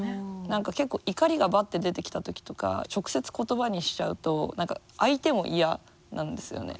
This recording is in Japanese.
何か結構怒りがばって出てきた時とか直接言葉にしちゃうと何か相手も嫌なんですよね。